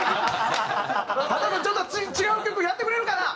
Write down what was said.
秦君ちょっと違う曲やってくれるかな？